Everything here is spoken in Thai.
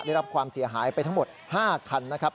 ได้รับความเสียหายไปทั้งหมด๕คันนะครับ